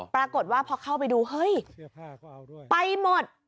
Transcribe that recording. ปรากฏว่าพอเข้าไปดูเฮ้ยไปหมด